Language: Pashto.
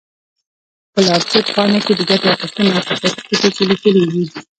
په لارښود پاڼو کې د ګټې اخیستنې او حفاظتي ټکي لیکلي وي.